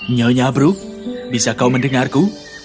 nyonya abruk bisa kau mendengarku